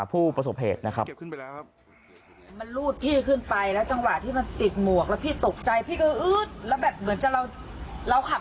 ผู้ประสบเหตุนะครับเก็บขึ้นไปแล้วครับ